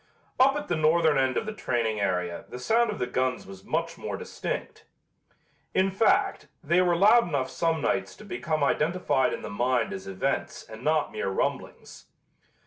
Up at the northern end of the training area the sound of the guns was much more distinct. In fact, they were loud enough some nights to become identified in the mind as events and not mere rumblings.